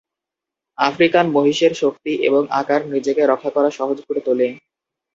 African মহিষের শক্তি এবং আকার নিজেকে রক্ষা করা সহজ করে তোলে।